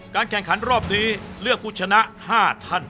แข่งขันรอบนี้เลือกผู้ชนะ๕ท่าน